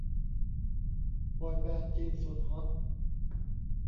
บอยแบนด์จีนสุดฮอต